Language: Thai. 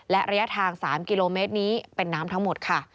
และระยะทาง๓กิโลเมตรนี้เป็นน้ำทั้งหมดค่ะ